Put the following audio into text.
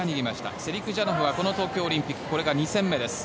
セリクジャノフはこの東京オリンピックこれが２戦目です。